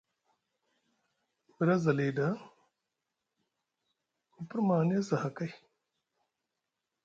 Mri a za li ɗa, ku pirma aŋ niyasi aha kay.